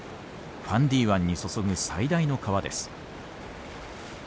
ファンディ湾に注ぐ最大の川です。